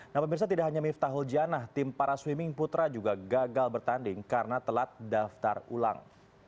nah pemirsa tidak hanya miftahul janah tim para swimming putra juga gagal bertanding karena telat daftar ulang